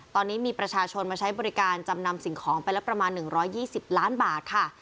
ตอนนี้มีประชาชนมาใช้บริการจำนำสินของไปแล้วประมาณหนึ่งร้อยยี่สิบล้านบาทค่ะ